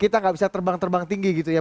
kita nggak bisa terbang terbang tinggi gitu ya